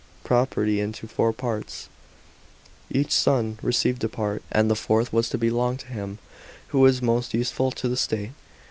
property into four parts ; each son received a part, and the fourth was to belong to him who was most useful to the state.